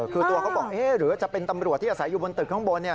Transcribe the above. คือตัวเขาบอกหรือจะเป็นตำรวจที่อาศัยอยู่บนตึกข้างบน